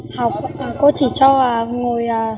học cô chỉ cho ngồi